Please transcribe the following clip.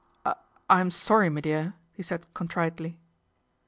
" I I'm sorry, me dear," he said con tritely.